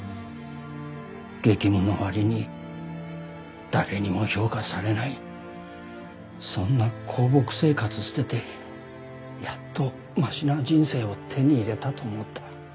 激務の割に誰にも評価されないそんな公僕生活捨ててやっとマシな人生を手に入れたと思った。